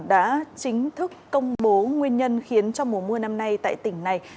đã chính thức công bố nguyên nhân khiến cho mùa mưa năm nay tại tỉnh này